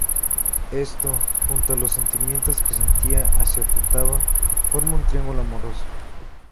Esto, junto a los sentimientos que sentía hacia Futaba, forma un triángulo amoroso.